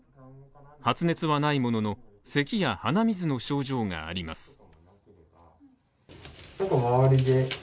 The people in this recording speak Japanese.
発熱はないものの、せきや鼻水の症状があります。